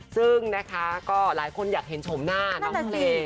ซึ่งนะคะก็หลายคนอยากเห็นชมหน้าน้องเพลง